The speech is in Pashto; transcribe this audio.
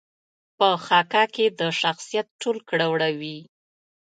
په خاکه کې د شخصیت ټول کړه وړه وي.